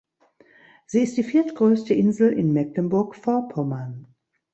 Sie ist die viertgrößte Insel in Mecklenburg-Vorpommern.